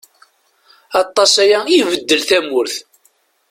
Aṭas aya i ibeddel tamurt.